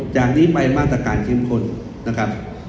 จากนี้ไปมาตรการเข้มข้นนะครับ